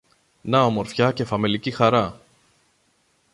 Να ομορφιά και φαμελική χαρά